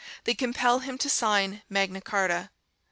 They compel him to sign Magna Charta.